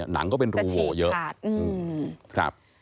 หนังก็เป็นรัวเยอะ